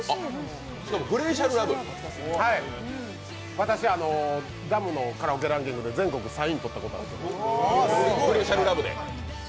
私、ＤＡＭのカラオケランキングで全国３位を取ったことがあるんです。